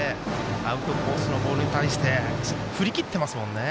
アウトコースのボールに対して振り切ってますもんね。